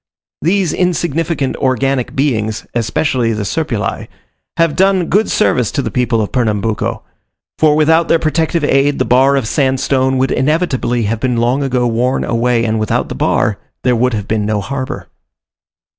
These insignificant organic beings, especially the Serpulae, have done good service to the people of Pernambuco; for without their protective aid the bar of sandstone would inevitably have been long ago worn away and without the bar, there would have been no harbour.